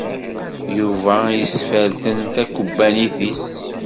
Yuba yesferten takubbanit-is.